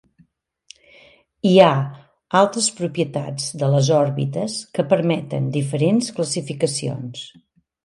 Hi ha altres propietats de les òrbites que permeten diferents classificacions.